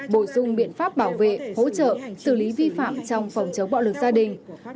bổ sung biện pháp bảo vệ hỗ trợ xử lý vi phạm trong phòng chống bạo lực gia đình